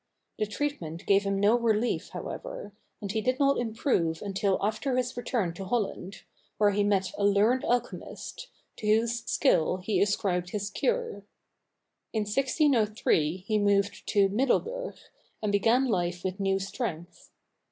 The treatment gave him no relief, however; and he did not improve until after his return to Holland, where he met a learned alchemist, to whose skill he ascribed his cure. In 1603 he moved to Middelburg, and began life with new strength.